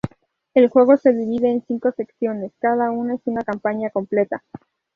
El juego se divide en cinco secciones, cada una es una campaña completa.